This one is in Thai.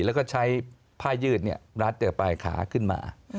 แล้วก็ใช้ผ้ายืดรัดแต่ปลายขาขึ้นมา